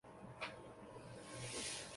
司职左闸。